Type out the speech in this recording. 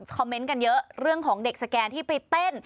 เมนต์กันเยอะเรื่องของเด็กสแกนที่ไปเต้น